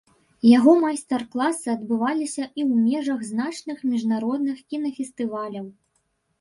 Яго майстар-класы адбываліся і ў межах значных міжнародных кінафестываляў.